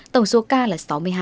tổng số ca là sáu mươi hai